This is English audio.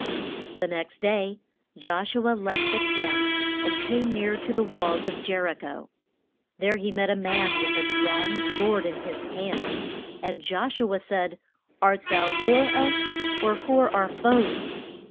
The next day Josh u a left the camp and came near to the walls of Jer i cho. There he met a man with a drawn sword in his hand. And Josh u a said, Art thou for us or for our foes?